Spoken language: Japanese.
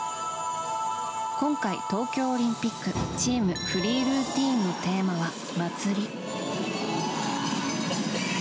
今回、東京オリンピックチーム・フリールーティンのテーマは祭り。